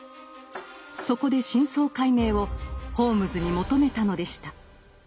そこで真相解明をホームズに求めたのでした。